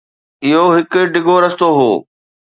اهو هڪ ڊگهو رستو هو.